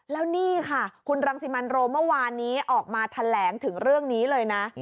แล้วนี่ค่ะคุณรังสิมันโรมเมื่อวานนี้ออกมาแถลงถึงเรื่องนี้เลยนะ